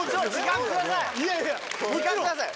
時間ください。